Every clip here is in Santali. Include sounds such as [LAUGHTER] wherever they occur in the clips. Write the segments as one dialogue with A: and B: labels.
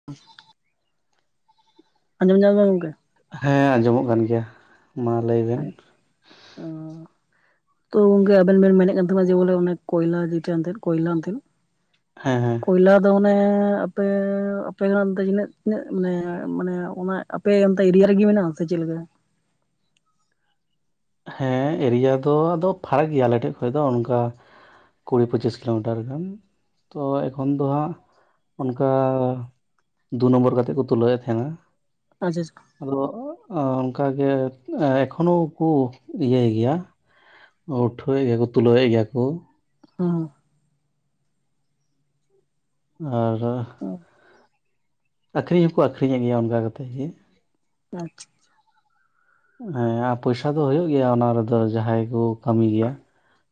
A: [INAUDIBLE] ᱟᱸᱡᱚᱢ ᱧᱟᱢ ᱫᱟᱢ ᱜᱚᱝᱠᱮ?
B: ᱦᱮᱸ ᱟᱸᱡᱚᱢᱚᱜ ᱠᱟᱱ ᱜᱮᱭᱟ ᱢᱟ ᱞᱮᱭ ᱵᱮᱱ᱾
A: ᱚ ᱛᱚ ᱜᱚᱝᱠᱮ ᱟᱵᱮᱱ ᱵᱮᱱ ᱢᱮᱱᱮᱫ ᱠᱟᱱ ᱛᱟᱦᱮᱸᱱᱟ ᱡᱮ ᱵᱚᱞᱮ ᱚᱱᱮ ᱠᱚᱭᱞᱟ ᱡᱮᱴᱟ ᱮᱱᱛᱮᱫ ᱠᱚᱭᱞᱟ ᱮᱱᱛᱮᱫ
B: ᱦᱮᱸ ᱦᱮᱸ᱾
A: ᱠᱚᱭᱞᱟ ᱫᱚ ᱚᱱᱮ ᱟᱯᱮ ᱟᱯᱮ ᱠᱷᱚᱱᱟᱜ ᱚᱱᱛᱮ ᱛᱤᱱᱟᱹᱜ ᱛᱤᱱᱟᱹᱜ ᱢᱟᱱᱮ ᱢᱟᱱᱮ ᱚᱱᱟ ᱟᱯᱮ ᱚᱱᱛᱮ ᱮᱨᱤᱭᱟ ᱨᱮᱜᱮ ᱢᱮᱱᱟᱜᱼᱟ ᱥᱮ ᱪᱮᱫ ᱞᱮᱠᱟ?
B: ᱦᱮᱸ ᱮᱨᱤᱭᱟ ᱫᱚ ᱟᱫᱚ ᱯᱷᱟᱨᱟᱠ ᱜᱮᱭᱟ ᱟᱞᱮ ᱴᱷᱮᱡ ᱠᱷᱚᱡ ᱫᱚ ᱚᱱᱠᱟ ᱠᱩᱲᱤ ᱯᱚᱪᱤᱥ ᱠᱤᱞᱳᱢᱤᱴᱟᱨ ᱜᱟᱱ, ᱛᱚ ᱮᱠᱷᱚᱱ ᱫᱚ ᱦᱟᱸᱜ ᱚᱱᱠᱟ ᱫᱩ ᱱᱚᱢᱵᱚᱨ ᱠᱟᱛᱮᱫ ᱠᱚ ᱛᱩᱞᱟᱹᱣᱮᱫ ᱛᱟᱦᱮᱸᱱᱟ᱾
A: ᱟᱪᱷᱟ ᱪᱷᱟ᱾
B: ᱟᱫᱚ ᱮᱸ ᱚᱱᱠᱟ ᱜᱮ ᱮᱸ ᱮᱠᱷᱚᱱᱳ ᱠᱩ ᱤᱭᱟᱹᱭ ᱜᱮᱭᱟ, ᱩᱴᱷᱟᱹᱣᱮᱜ ᱜᱮᱭᱟ ᱠᱚ ᱛᱩᱞᱟᱹᱣᱮᱜ ᱜᱮᱭᱟ ᱠᱚ᱾
A: ᱦᱩᱸ᱾
B: ᱟᱨ
A: ᱦᱚᱸ
B: ᱟᱠᱷᱨᱤᱧ ᱦᱚᱸᱠᱚ ᱟᱠᱷᱨᱤᱧ ᱮᱫ ᱜᱮᱭᱟ ᱚᱱᱠᱟ ᱠᱟᱛᱮ ᱜᱮ᱾
A: ᱟᱪᱪᱷᱟ᱾
B: ᱦᱮᱸ ᱟ ᱯᱚᱭᱥᱟ ᱫᱚ ᱦᱳᱭᱳᱜ ᱜᱮᱭᱟ ᱚᱱᱟ ᱨᱮᱫᱚ ᱡᱟᱦᱟᱸᱭ ᱠᱚ ᱠᱟᱹᱢᱤ ᱜᱮᱭᱟ,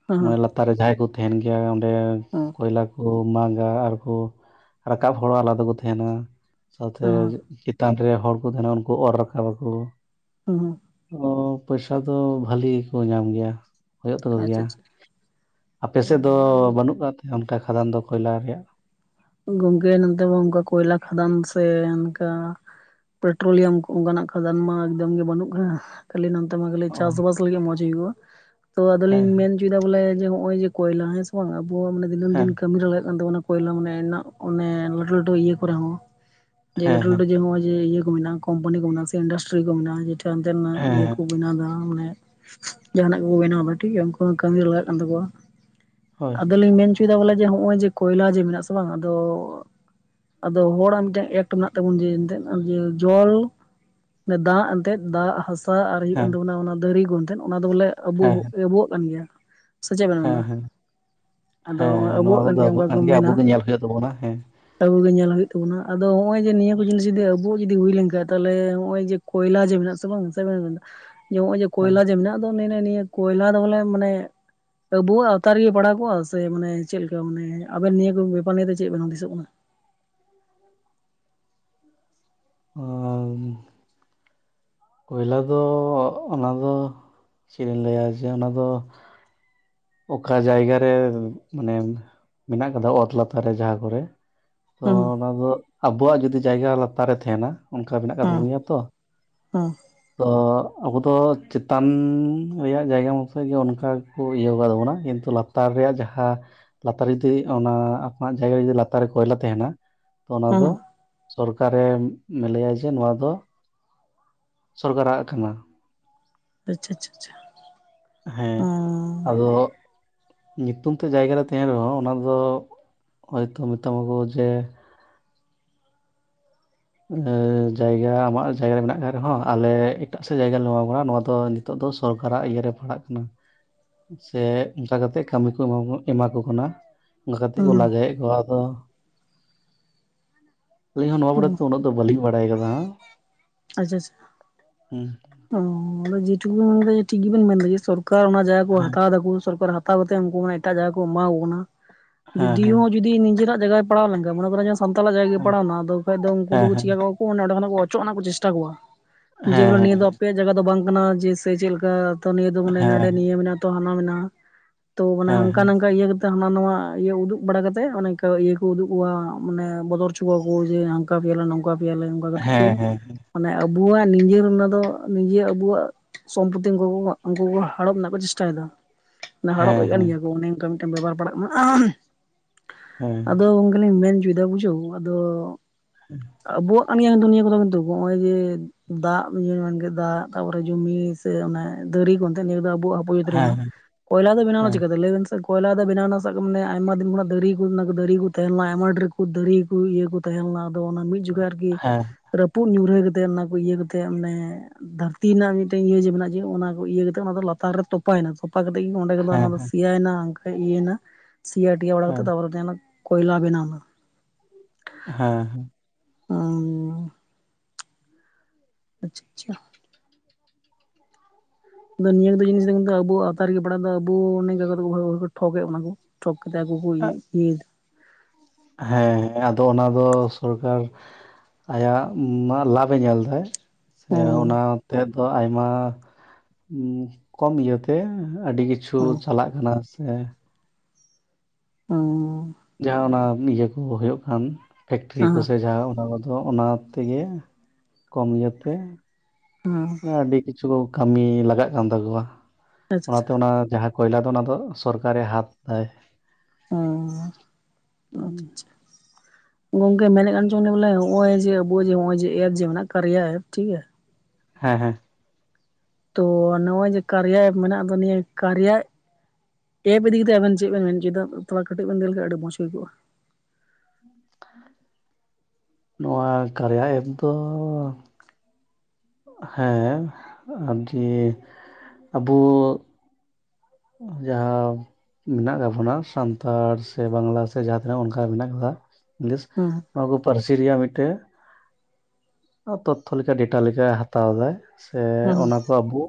A: ᱦᱚᱸ
B: ᱢᱟᱱᱮ ᱞᱟᱛ ᱛᱟᱨ ᱨᱮ ᱡᱟᱦᱟᱸᱭ ᱠᱚ ᱛᱟᱦᱮᱸᱱ ᱜᱮᱭᱟ ᱚᱸᱰᱮ
A: ᱦᱚᱸ
B: ᱠᱚᱭᱞᱟ ᱠᱚ ᱢᱟᱜᱟ ᱟᱨ ᱠᱚ ᱨᱟᱠᱟᱵ ᱦᱚᱲ ᱟᱞᱟᱫᱟ ᱠᱚ ᱛᱟᱦᱮᱸᱱᱟ ᱥᱟᱶᱛᱮ
A: ᱦᱚᱸ ᱦᱚᱸ
B: ᱛᱟᱱ ᱨᱮ ᱦᱚᱲ ᱠᱚ ᱛᱟᱦᱮᱸᱱᱟ ᱩᱱᱠᱩ ᱚᱨ ᱨᱟᱠᱟᱵ ᱟᱠᱚ᱾
A: ᱦᱩᱸ ᱦᱩᱸ᱾
B: ᱚ ᱯᱚᱭᱥᱟ ᱫᱚ ᱵᱷᱟᱞᱮ ᱜᱮᱠᱚ ᱧᱟᱢ ᱜᱮᱭᱟ᱾ ᱦᱳᱭᱳᱜ ᱛᱟᱠᱚ
A: ᱟᱪᱪᱷᱟ
B: ᱜᱮᱭᱟ᱾
A: ᱟᱪᱪᱷᱟ
B: ᱟᱯᱮ ᱥᱮᱫ ᱫᱚ ᱵᱟᱹᱱᱩᱜ ᱠᱟᱜ ᱛᱮ ᱚᱱᱠᱟ ᱠᱷᱟᱫᱟᱱ ᱫᱚ ᱠᱚᱭᱞᱟ ᱨᱮᱭᱟᱜ?
A: ᱜᱚᱝᱠᱮ ᱱᱚᱱᱛᱮ ᱢᱟ ᱚᱱᱠᱟ ᱠᱚᱭᱞᱟ ᱠᱷᱟᱫᱟᱱ ᱥᱮ ᱚᱱᱠᱟ ᱯᱮᱴᱨᱳᱞᱤᱭᱟᱢ ᱠᱚ ᱚᱱᱠᱟᱱᱟᱜ ᱠᱷᱟᱫᱟᱱ ᱢᱟ ᱮᱠᱫᱚᱢ ᱜᱮ ᱵᱟᱹᱱᱩᱜ ᱠᱟᱫᱟ ᱠᱷᱟᱹᱞᱤ ᱱᱚᱱᱛᱮ ᱛᱮ ᱢᱟ ᱠᱷᱟᱹᱞᱮ
B: ᱚ
A: ᱪᱟᱥ ᱵᱟᱥ ᱞᱟᱜᱤᱫ ᱢᱚᱸᱡ ᱦᱩᱭᱩᱜᱼᱟ᱾ ᱛᱚ ᱟᱫᱚ
B: ᱦᱮᱸ
A: ᱞᱤᱧ ᱢᱮᱱ ᱚᱪᱚᱭᱫᱟ ᱵᱚᱞᱮ ᱡᱮ ᱦᱚᱸᱜᱼᱚᱭ ᱡᱮ ᱠᱚᱭᱞᱟ, ᱦᱮᱸ ᱥᱮ? ᱵᱟᱝ ᱟᱵᱚ ᱢᱟᱱᱮ ᱫᱤᱱᱟᱹᱢ
B: ᱦᱮᱸ
A: ᱫᱤᱱ ᱠᱟᱹᱢᱤ ᱨᱮ ᱞᱟᱜᱟᱜ ᱠᱟᱱ ᱛᱟᱵᱚᱱᱟ ᱠᱚᱭᱞᱟ ᱢᱟᱱᱮ ᱢᱮᱱᱟᱜ ᱚᱱᱮ ᱞᱟᱴᱷᱩ ᱞᱟᱹᱴᱷᱩ ᱤᱭᱟᱹ ᱠᱚᱨᱮ ᱦᱚᱸ ᱡᱮ
B: ᱦᱮᱸ
A: ᱞᱟᱴᱩᱷ
B: ᱦᱮᱸ
A: ᱞᱟᱹᱴᱩ ᱡᱮ ᱱᱚᱜᱚᱭ ᱡᱮ ᱤᱭᱟᱹ ᱠᱚ ᱢᱮᱱᱟᱜ ᱠᱳᱢᱯᱟᱱᱤ ᱠᱚ ᱢᱮᱱᱟᱜ-ᱟ ᱥᱮ ᱤᱱᱰᱟᱥᱴᱨᱤ ᱠᱚ ᱢᱮᱱᱟᱜᱼᱟ ᱡᱮᱴᱟ ᱟᱱᱛᱮᱱᱟᱜ
B: ᱦᱮᱸ
A: ᱤᱭᱟᱹ ᱠᱚ
B: ᱦᱮᱸ
A: ᱵᱮᱱᱟᱣ ᱫᱟ ᱢᱟᱱᱮ, ᱡᱟᱦᱟᱸᱱᱟᱜ ᱠᱚᱠᱚ ᱵᱮᱱᱟᱣ ᱫᱟ ᱴᱷᱤᱠ ᱜᱮᱭᱟ ᱩᱱᱠᱩ ᱦᱚᱸ ᱠᱟᱹᱢᱤ ᱨᱮ ᱞᱟᱜᱟᱜ ᱠᱟᱱ ᱛᱟᱠᱚᱣᱟ᱾
B: ᱦᱳᱭ
A: ᱟᱫᱚᱞᱤᱧ ᱢᱮᱱ ᱚᱪᱚᱭᱫᱟ ᱵᱚᱞᱮ ᱡᱮ ᱦᱚᱸᱜᱼᱚᱭ ᱡᱮ ᱠᱚᱭᱞᱟ ᱡᱮ ᱢᱮᱱᱟᱜ-ᱟ ᱥᱮ ᱵᱟᱝ ᱟᱫᱚ ᱟᱫᱚ ᱦᱚᱲᱟᱜ ᱢᱮᱫᱴᱟᱝ ᱮᱴ ᱛᱮ ᱢᱮᱱᱟᱜ ᱛᱟᱵᱚᱱ ᱡᱮ ᱮᱱᱛᱮᱫ ᱡᱮ ᱡᱚᱞ ᱫᱟᱜ ᱮᱱᱛᱮᱫ ᱫᱟᱜ ᱦᱟᱥ ᱥᱟ ᱟᱨ ᱦᱩᱭᱩᱜ ᱠᱟᱱ
B: ᱦᱮᱸ
A: ᱛᱟᱵᱚᱱᱟ ᱚᱱᱟ ᱫᱷᱟᱨᱤ ᱠᱩ ᱮᱱᱛᱮᱫ ᱚᱱᱟ ᱫᱚ ᱵᱚᱞᱮ ᱟᱵᱚ
B: ᱦᱮᱸ
A: ᱟᱵᱚᱣᱟᱜ ᱠᱟᱱ ᱜᱮᱭᱟ᱾ ᱥᱮ ᱪᱮᱫ ᱵᱮᱱ ᱢᱮᱱ
B: ᱦᱮᱸ
A: ᱫᱟ?
B: ᱦᱮᱸ
A: ᱟᱫᱚ ᱦᱚᱸᱜᱼᱚᱭ
B: ᱦᱮᱸ ᱱᱚᱣᱟ
A: ᱟᱵᱚᱣᱟᱜ ᱠᱟᱱ
B: ᱠᱚᱫᱚ
A: ᱜᱮᱭᱟ
B: ᱟᱵᱚ
A: ᱚᱱᱠᱟ ᱠᱚ ᱢᱮᱱᱟ᱾
B: ᱟᱵᱚᱜᱮ ᱧᱮᱞ ᱦᱳᱭᱳᱜ ᱛᱟᱵᱚᱱᱟ ᱦᱮᱸ᱾
A: ᱟᱵᱚ ᱜᱮ ᱧᱮᱞ ᱦᱩᱭᱩᱜ ᱛᱟᱵᱚᱱᱟ ᱟᱫᱚ ᱱᱚᱜ-ᱚᱭ ᱡᱮ ᱱᱤᱭᱟᱹ ᱠᱚ ᱡᱤᱱᱤᱥ ᱡᱩᱫᱤ ᱟᱵᱚᱣᱟᱜ ᱡᱩᱫᱤ ᱦᱩᱭ ᱞᱮᱱ ᱠᱷᱟᱡ ᱛᱟᱞᱦᱮ ᱱᱚᱜᱼᱚᱭ ᱡᱮ ᱠᱚᱭᱞᱟ ᱡᱮ ᱢᱮᱱᱟᱜ ᱛᱟᱵᱚᱱᱟ ᱪᱮᱜ ᱵᱮᱱ ᱢᱮᱱᱫᱟ ᱡᱮ ᱱᱚᱜᱚᱭ ᱡᱮ
B: ᱦᱮᱸ
A: ᱠᱚᱭᱞᱟ ᱡᱮ ᱢᱮᱱᱟᱜᱼᱟ ᱟᱫᱚ ᱱᱮ ᱱᱮ ᱱᱤᱭᱟᱹ ᱠᱚᱭᱞᱟ ᱫᱚ ᱵᱚᱞᱮ ᱢᱟᱱᱮ ᱟᱵᱳᱣᱟᱜ ᱟᱣᱛᱟ ᱨᱮᱜᱮ ᱯᱟᱲᱟᱣ ᱠᱚᱜᱼᱟ ᱥᱮ ᱢᱟᱱᱮ ᱪᱮᱫ ᱞᱮᱠᱟ ᱢᱟᱱᱮ ᱟᱵᱮᱱ ᱱᱤᱭᱟᱹ ᱠᱚ ᱵᱮᱯᱟᱨ ᱱᱤᱭᱟᱹᱛᱮ ᱪᱮᱫ ᱵᱮᱱ ᱦᱩᱫᱤᱥᱚᱜ ᱠᱟᱱᱟ?
B: [INAUDIBLE] ᱠᱚᱭᱞᱟ ᱫᱚ ᱚᱱᱟ ᱫᱚ ᱪᱮᱫ ᱤᱧ ᱞᱟᱹᱭᱟ ᱡᱮ ᱚᱱᱟ ᱫᱚ ᱚᱠᱟ ᱡᱟᱭᱜᱟ ᱨᱮ ᱢᱟᱱᱮ ᱢᱮᱱᱟᱜ ᱠᱟᱫᱟ ᱚᱛ ᱞᱟᱛᱟᱨ ᱨᱮ ᱡᱟᱦᱟᱸ ᱠᱚᱨᱮ ᱛᱚ
A: ᱦᱩᱸ
B: ᱚᱱᱟ ᱫᱚ ᱟᱵᱚᱣᱟᱜ ᱡᱩᱫᱤ ᱡᱟᱭᱜᱟ ᱞᱟᱛᱟᱨ ᱨᱮ ᱛᱟᱦᱮᱸᱱᱟ ᱚᱱᱠᱟ ᱢᱮᱱᱟᱜ ᱠᱟᱫ
A: ᱦᱩᱸ
B: ᱛᱟᱵᱚᱱ ᱜᱮᱭᱟ ᱛᱚ ᱾
A: ᱦᱩᱸ
B: ᱛᱚ ᱟᱵᱚ ᱫᱚ ᱪᱮᱛᱟᱱ ᱨᱮᱭᱟᱜ ᱡᱟᱭᱜᱟ ᱢᱚᱛᱚᱡ ᱜᱮ ᱚᱱᱠᱟ ᱜᱮᱠᱚ ᱤᱭᱟᱹᱣ ᱠᱟᱜ ᱛᱟᱵᱚᱱᱟ ᱠᱤᱱᱛᱩ ᱞᱟᱛᱟᱨ ᱨᱮᱭᱟᱜ ᱡᱟᱦᱟᱸ ᱞᱟᱛᱟᱨ ᱡᱩᱫᱤ ᱚᱱᱟ ᱟᱯᱱᱟᱨᱟ ᱟᱜ ᱡᱟᱭᱜᱟ ᱡᱩᱫᱤ ᱞᱟᱛᱟᱨ ᱨᱮ ᱠᱚᱭᱞᱟ ᱛᱟᱦᱮᱱᱟ ᱛᱚ ᱚᱱᱟ ᱫᱚ
A: ᱦᱩᱸ
B: ᱥᱚᱨᱠᱟᱨᱮ ᱢᱮᱱ ᱞᱮᱭᱟ ᱡᱮ ᱱᱚᱣᱟ ᱫᱚ ᱥᱚᱨᱠᱟᱨᱟᱜ ᱠᱟᱱᱟ᱾
A: ᱟᱪᱪᱷᱟ ᱟᱪᱪᱷᱟ ᱟᱪᱪᱷᱟ᱾ ᱚ
B: ᱦᱮᱸ ᱟᱫᱚ᱾ ᱧᱩᱛᱩᱢ ᱛᱮ ᱡᱟᱭᱜᱟ ᱨᱮ ᱛᱟᱦᱮᱱ ᱨᱮᱦᱚᱸ ᱚᱱᱟ ᱫᱚ ᱦᱚᱭᱛᱚ ᱢᱮᱛᱟᱢ ᱟᱠᱚ ᱡᱮ ᱡᱟᱭᱜᱟ ᱟᱢᱟᱜ ᱡᱟᱭᱜᱟ ᱨᱮ ᱢᱮᱱᱟᱜ ᱟᱠᱟᱫ ᱨᱮᱦᱚᱸ ᱟᱞᱮ ᱮᱴᱟᱜ ᱥᱮᱫ ᱡᱟᱭᱜᱟ ᱞᱮ ᱮᱢᱟ ᱢᱟ ᱱᱚᱣᱟ ᱫᱚ ᱱᱤᱛᱚᱜ ᱫᱚ ᱥᱚᱨᱠᱟᱨᱟᱜ ᱤᱭᱟᱹ ᱨᱮ ᱯᱟᱲᱟᱜ ᱠᱟᱱᱟ᱾
A: [INAUDIBLE]
B: ᱥᱮ ᱚᱱᱠᱟ ᱠᱟᱛᱮᱜ ᱠᱟᱹᱢᱤ ᱠᱚ ᱮ ᱮᱢᱟ ᱠᱚ ᱠᱟᱱᱟ᱾ ᱚᱱᱠᱟ ᱠᱟᱛᱮᱜ ᱠᱚ
A: ᱦᱩᱸ
B: ᱞᱟᱜᱟᱭᱮᱫ ᱠᱚᱣᱟ ᱟᱞᱤᱧ ᱦᱚᱸ ᱱᱚᱣᱟ ᱠᱚᱨᱮ
A: ᱦᱩᱸ
B: ᱟᱫᱚ ᱵᱟᱹᱞᱤᱧ ᱵᱟᱲᱟᱭ ᱠᱟᱫᱟ
A: ᱟᱪᱪᱷᱟ ᱟᱪᱪᱷᱟ
B: ᱦᱩᱸ
A: ᱚ ᱟᱫᱚ [INAUDIBLE] ᱵᱮᱱ ᱢᱮᱱᱫᱟ ᱴᱷᱤᱠ ᱜᱮᱵᱮᱱ ᱢᱮᱱᱫᱟ ᱡᱮ ᱥᱚᱨᱠᱟᱨ ᱚᱱᱟ ᱡᱟᱭᱜᱟ ᱠᱚ ᱦᱟᱛᱟᱣ ᱫᱟᱠᱩ ᱥᱚᱨᱠᱟᱨ ᱦᱟᱛᱟᱣ ᱠᱟᱛᱮ ᱩᱱᱠᱩ ᱢᱟᱱᱮ ᱮᱴᱟᱜ ᱡᱟᱭᱜᱟ ᱠᱚ ᱮᱢᱟ ᱠᱚ ᱠᱟᱱᱟ
B: ᱦᱮᱸ
A: ᱡᱩᱫᱤ ᱦᱚᱸ ᱡᱩᱫᱤ ᱱᱤᱡᱮᱨᱟᱜ ᱡᱟᱭᱜᱟᱭ ᱯᱟᱲᱟᱣ ᱞᱮᱱᱠᱷᱟᱡ ᱢᱚᱱᱮ [INAUDIBLE] ᱥᱟᱱᱛᱟᱞᱟᱜ ᱡᱟᱭᱜᱟ ᱜᱮ
B: ᱦᱮᱸ
A: ᱯᱟᱲᱟᱣᱱᱟ ᱟᱫᱚ ᱵᱟᱝ ᱠᱷᱟᱱ ᱫᱚ ᱩᱱᱠᱩ
B: ᱦᱮᱸ
A: ᱫᱚᱠᱚ
B: ᱦᱮᱸ
A: ᱪᱤᱠᱟ ᱠᱟᱣᱟ ᱠᱚ ᱚᱸᱰᱮ ᱠᱷᱚᱱᱟᱜ ᱠᱚ ᱚᱪᱚᱜ ᱨᱮᱱᱟᱜ ᱠᱚ ᱪᱮᱥᱴᱟ ᱠᱚᱣᱟ᱾ ᱡᱮᱢᱚᱱ ᱱᱤᱭᱟᱹ
B: ᱦᱮᱸ
A: ᱫᱚ ᱟᱯᱮᱭᱟᱜ ᱡᱟᱭᱜᱟ ᱫᱚ ᱵᱟᱝ ᱠᱟᱱᱟ ᱡᱮ ᱪᱮᱫ ᱞᱮᱠᱟ ᱱᱤᱭᱟᱹ ᱟᱰᱮ
B: ᱦᱮᱸ
A: ᱱᱤᱭᱟᱹ ᱢᱮᱱᱟᱜ᱾ ᱛᱚ ᱦᱟᱱᱟ ᱢᱮᱱᱟᱜᱼᱟ ᱛᱚ ᱢᱟᱱᱮ
B: ᱦᱮᱸ
A: ᱦᱟᱝᱠᱟ ᱱᱟᱝᱠᱟ ᱤᱭᱟᱹ ᱦᱟᱱᱟ ᱱᱟᱣᱟ ᱤᱭᱟᱹ ᱩᱫᱩᱜ ᱵᱟᱲᱟ ᱠᱟᱛᱮ ᱚᱱᱮ ᱤᱝᱠᱟ ᱤᱭᱟᱹ ᱠᱚ ᱩᱫᱩᱜ ᱠᱚᱣᱟ ᱢᱟᱱᱮ ᱵᱚᱛᱚᱨ ᱦᱚᱪᱚ ᱠᱚᱣᱟ ᱠᱚ ᱡᱮ ᱱᱚᱝᱠᱟ ᱯᱮᱭᱟᱞᱮ ᱱᱚᱝᱠᱟ ᱯᱮᱭᱟᱞᱮ ᱚᱱᱠᱟ ᱠᱟᱛᱮ
B: ᱦᱮᱸ
A: ᱠᱩ
B: ᱦᱮᱸ ᱦᱮᱸ
A: ᱢᱟᱱᱮ ᱟᱵᱚᱣᱟᱜ ᱱᱤᱡᱮᱨ ᱚᱱᱟ ᱫᱚ ᱱᱤᱡᱮ ᱟᱵᱚᱣᱟᱜ ᱥᱚᱢᱯᱚᱛᱤ [INAUDIBLE] ᱦᱟᱲᱚᱯ ᱨᱮᱱᱟᱜ ᱠᱚ ᱪᱮᱥᱴᱟᱭᱟ ᱫᱟ᱾ ᱚᱱᱟ ᱦᱟᱲᱚᱵ
B: ᱦᱮᱸ
A: ᱠᱟᱱ
B: ᱦᱮᱸ
A: ᱜᱮᱭᱟ ᱠᱚ ᱚᱱᱮ ᱚᱱᱠᱟ ᱢᱤᱫᱴᱮᱱ ᱵᱮᱵᱟᱨ ᱯᱟᱲᱟᱜ ᱠᱟᱱᱟ᱾ [INAUDIBLE] ᱟᱫᱚ ᱜᱚᱝᱠᱮ ᱞᱤᱧ ᱢᱮᱱ ᱦᱚᱪᱚᱭᱮᱫᱟ ᱵᱩᱡᱷᱟᱹᱣ ᱟᱫᱚ
B: ᱦᱩᱸ᱾
A: ᱟᱵᱚᱣᱟᱜ ᱠᱟᱱ ᱜᱮᱭ ᱱᱤᱭᱟᱹ ᱠᱚᱫᱚ ᱠᱤᱱᱛᱩ ᱱᱚᱜᱼᱚᱭ ᱡᱮ ᱫᱟᱜ ᱧᱩᱭᱮᱫ ᱢᱮᱱᱠᱮᱫ ᱫᱟᱜ ᱛᱟᱯᱚᱨᱮ ᱡᱩᱢᱤ ᱥᱮ ᱚᱱᱮ ᱫᱟᱨᱤ ᱠᱚ ᱮᱱᱛᱮ ᱧᱮᱞᱫᱟ
B: ᱦᱮᱸ
A: ᱟᱵᱚᱣᱟᱜ
B: ᱦᱮᱸ
A: [UNINTELLIGIBLE] ᱠᱚᱭᱞᱟ ᱫᱚ ᱵᱮᱱᱟᱣ ᱱᱟ
B: ᱦᱮᱸ
A: ᱪᱤᱠᱟ ᱛᱮ ᱞᱟᱹᱭ ᱵᱮᱱ ᱥᱮ? ᱠᱚᱭᱞᱟ ᱫᱚ ᱵᱮᱱᱟᱣᱱᱟ ᱥᱟᱵ ᱠᱟᱜ ᱢᱟᱱᱮ ᱟᱭᱢᱟ ᱫᱤᱱ ᱠᱷᱚᱱᱟᱜ ᱫᱟᱨᱤ ᱠᱚ ᱫᱟᱨᱤ ᱠᱚ ᱛᱟᱦᱮᱸ ᱞᱮᱱᱟ ᱟᱭᱢᱟ ᱰᱷᱮᱨ ᱠᱚ ᱫᱟᱨᱤ ᱠᱚ ᱤᱭᱟᱹ ᱠᱚ ᱛᱟᱦᱮᱸ ᱞᱮᱱᱟ᱾ ᱟᱫᱚ ᱚᱱᱟ ᱢᱤᱫ ᱡᱚᱠᱷᱚᱡ ᱟᱨᱠᱤ
B: ᱦᱮᱸ
A: ᱨᱟᱹᱯᱩᱫ ᱧᱩᱨᱦᱟᱹ ᱠᱟᱛᱮᱜ ᱚᱱᱟ ᱠᱚ ᱤᱭᱟᱹ ᱠᱟᱛᱮᱜ ᱢᱟᱱᱮ ᱫᱷᱟᱹᱨᱛᱤ ᱨᱮᱱᱟᱜ ᱢᱤᱫᱴᱮᱱ ᱤᱭᱟᱹ ᱡᱮ ᱢᱮᱱᱟᱜ ᱡᱮ ᱚᱱᱟ ᱤᱭᱟᱹ ᱠᱟᱛᱮᱫ ᱚᱱᱟ ᱫᱚ ᱞᱟᱛᱟᱨ ᱨᱮ ᱛᱚᱯᱟᱭᱮᱱᱟ ᱛᱚ᱾ ᱛᱟᱯᱚᱨ ᱤᱧ
B: ᱦᱮᱸ ᱦᱮᱸ
A: [INAUDIBLE] ᱚᱱᱠᱟ ᱤᱭᱟᱹᱭᱱᱟ ᱥᱤᱭᱟ ᱴᱤᱭᱟ ᱚᱝᱠᱟ
B: ᱦᱮᱸ
A: ᱠᱟᱛᱮ ᱛᱟᱯᱚᱨᱮ [INAUDIBLE] ᱠᱚᱭᱞᱟ ᱵᱮᱱᱟᱣᱱᱟ᱾
B: ᱦᱮᱸᱦᱮᱸ᱾
A: [INAUDIBLE] ᱟᱪᱪᱷᱟ ᱟᱪᱪᱷᱟ᱾ ᱟᱫᱚ ᱱᱤᱭᱟᱹ ᱠᱚᱫᱚ ᱡᱤᱱᱤᱥ ᱫᱚ ᱟᱵᱚ ᱟᱣᱛᱟ ᱨᱮᱜᱮ ᱯᱟᱲᱟᱜ ᱫᱚ ᱟᱵᱩ [UNINTELLIGIBLE] ᱴᱷᱚᱠ ᱮ ᱵᱚᱱᱟ ᱠᱚ ᱛᱷᱚᱠ ᱠᱟᱛᱮᱫ ᱟᱠᱚ ᱤᱭᱟᱹᱭᱮᱫᱟ᱾
B: ᱦᱮᱸ ᱦᱮᱸ ᱟᱫᱚ ᱚᱱᱟ ᱫᱚ ᱥᱚᱨᱠᱟᱨ ᱟᱭᱟᱜ ᱢᱤᱢᱟ ᱞᱟᱵᱷ ᱮ ᱧᱮᱞ ᱫᱟᱭ᱾ ᱥᱮ ᱚᱱᱟ
A: ᱚ
B: ᱟᱛᱮᱫ ᱫᱚ ᱟᱭᱢᱟ ᱠᱚᱢ ᱤᱭᱟᱹᱛᱮ ᱟᱹᱰᱤ ᱠᱤᱪ ᱪᱷᱩ
A: ᱚ
B: ᱪᱟᱞᱟᱜ ᱠᱟᱱᱟ ᱥᱮ
A: ᱦᱩᱸ
B: ᱡᱟᱦᱟᱸ ᱚᱱᱟ ᱤᱭᱟᱹ ᱠᱚ ᱦᱩᱭᱩᱜ ᱠᱟᱱ ᱯᱷᱮᱠᱴᱨᱤ ᱠᱚ ᱥᱮ ᱡᱟᱦᱟᱸ ᱚᱱᱟ ᱠᱚᱫᱚ ᱚᱱᱟ ᱛᱮᱜᱮ ᱠᱚᱢ ᱤᱭᱟᱹ ᱛᱮ
A: ᱦᱮᱸ
B: ᱥᱮ ᱟᱹᱰᱤ ᱠᱤᱪᱷᱩ ᱠᱟᱹᱢᱤ ᱞᱟᱜᱟᱜ ᱠᱟᱱ ᱛᱟᱠᱚᱣᱟ
A: ᱟᱪᱪᱷᱟ ᱟᱪᱪᱷᱟ
B: ᱚᱱᱟᱛᱮ ᱚᱱᱟ ᱡᱟᱦᱟᱸ ᱠᱚᱭᱞᱟ ᱫᱚ ᱚᱱᱟ ᱫᱚ ᱥᱚᱨᱠᱟᱨᱮ ᱦᱟᱛ ᱫᱟᱭ᱾
A: ᱚ [INAUDIBLE] ᱜᱚᱝᱠᱮ ᱢᱮᱱᱮᱫ ᱟᱱ ᱪᱚ ᱵᱚᱞᱮ ᱱᱚᱜ-ᱚᱭ ᱡᱮ ᱟᱵᱚᱣᱟᱜ ᱱᱚᱜᱚᱭ ᱡᱮ ᱮᱯ ᱡᱮ ᱡᱟᱦᱟᱱᱟᱜ ᱮᱯ ᱴᱷᱤᱠ ᱜᱮᱭᱟ
B: ᱦᱮᱸ ᱦᱮᱸ
A: ᱛᱳ ᱱᱚᱜ-ᱚᱭ ᱡᱮ ᱠᱟᱨᱭᱟ ᱮᱯ ᱢᱮᱱᱟᱜ ᱫᱚ ᱱᱤᱭᱟᱹ ᱠᱟᱨᱭᱟ ᱮᱯ ᱤᱫᱤ ᱠᱟᱛᱮ ᱟᱵᱮᱱ ᱪᱮᱫ ᱵᱮᱱ ᱢᱮᱱ ᱦᱚᱪᱚᱭ ᱫᱟ ᱛᱷᱚᱨᱟ ᱠᱟᱹᱴᱤᱡ ᱵᱮᱱ ᱞᱟᱹᱭ ᱞᱮᱠᱷᱟᱱ ᱟᱹᱰᱤ ᱢᱚᱡᱽ ᱦᱩᱭ ᱠᱚᱜ-ᱟ?
B: ᱱᱚᱣᱟ ᱠᱟᱨᱭᱟ ᱮᱯ ᱫᱚ ᱦᱮᱸ ᱟᱨᱠᱤ ᱟᱵᱚ ᱡᱟᱦᱟᱸ ᱢᱮᱱᱟᱜ ᱠᱟᱜ ᱵᱚᱱᱟ ᱥᱟᱱᱛᱟᱲ ᱥᱮ ᱵᱟᱝᱞᱟ ᱥᱮ ᱡᱟᱦᱟᱸ ᱛᱤᱱᱟᱹᱜ ᱚᱱᱠᱟ ᱢᱮᱱᱟᱜ ᱟᱠᱟᱜ ᱞᱤᱥ
A: ᱦᱩᱸ
B: ᱱᱚᱣᱟ ᱠᱚ ᱯᱟᱹᱨᱥᱤ ᱨᱮᱭᱟᱜ ᱢᱤᱫᱴᱮᱱ ᱛᱚᱛᱷᱚ ᱞᱮᱠᱟ ᱰᱮᱴᱟ ᱞᱮᱠᱟᱭ ᱦᱟᱛᱟᱣ ᱫᱟᱭ ᱥᱮ
A: ᱦᱩᱸ
B: ᱚᱱᱟ ᱠᱚ ᱟᱵᱚ